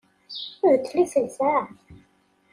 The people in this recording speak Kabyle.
Beddel iselsa!